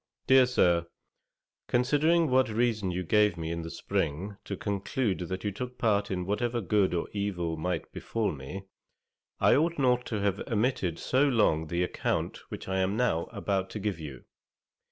'DEAR SIR, 'Considering what reason you gave me in the spring to conclude that you took part in whatever good or evil might befal me, I ought not to have omitted so long the account which I am now about to give you.